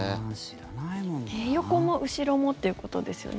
横も後ろもっていうことですよね。